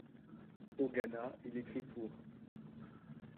Au Ghana, il écrit pour '.